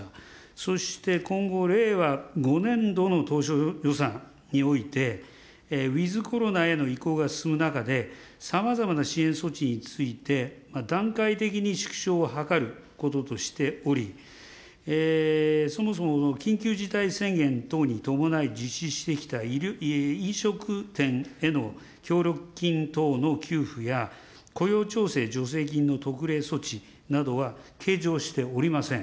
そして今後、令和５年度の当初予算において、ウィズコロナへの移行が進む中で、さまざまな支援措置について、段階的に縮小を図ることとしており、そもそも緊急事態宣言等に伴い実施してきた飲食店への協力金等の給付や、雇用調整助成金の特例措置などは、計上しておりません。